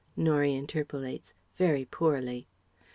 (Norie interpolates "Very poorly.")